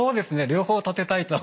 両方立てたいと。